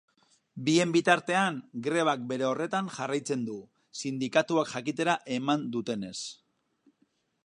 Bien bitartean, grebak bere horretan jarraitzen du, sindikatuak jakitera eman dutenez.